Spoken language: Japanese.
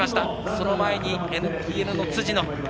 その前に、ＮＴＮの辻野。